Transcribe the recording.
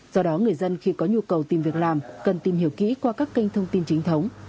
do đó người dân khi có nhu cầu tìm việc làm cần tìm hiểu kỹ qua các kênh thông tin chính thống